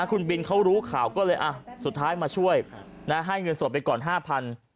คุณบินเขารู้ข่าวก็เลยสุดท้ายมาช่วยให้เงินสดไปก่อน๕๐๐บาท